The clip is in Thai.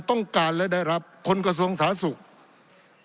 ต้องการแล้วได้รับคนกระทรวงศาสุมัน